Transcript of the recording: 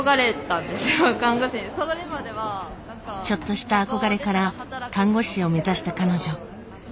ちょっとした憧れから看護師を目指した彼女。